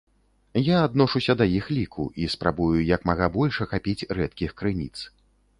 Я адношуся да іх ліку, і спрабую як мага больш ахапіць рэдкіх крыніц.